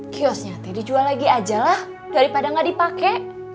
kiosnya teh dijual lagi ajalah daripada gak dipake